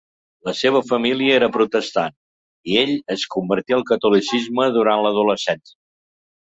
La seva família era protestant, i ell es convertí al catolicisme durant l'adolescència.